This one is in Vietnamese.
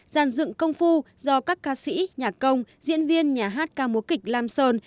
gian dựng công phu do các ca sĩ nhà công diễn viên nhà hát ca mối kịch lam sơn